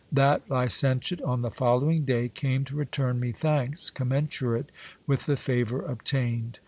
That licentiate, on the following day, came to return me thanks commensurate with the favour obtained.